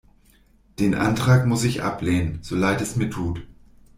Den Antrag muss ich ablehnen, so leid es mir tut.